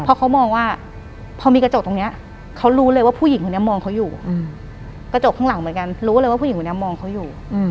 เพราะเขามองว่าเพราะมีกระจกตรงเนี้ยเขารู้เลยว่าผู้หญิงตรงเนี้ยมองเขาอยู่อืม